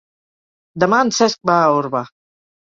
Demà en Cesc va a Orba.